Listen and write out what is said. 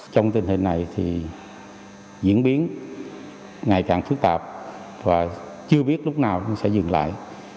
trong tình hình này thì diễn biến ngày càng phức tạp và chưa biết lúc nào sẽ dừng lại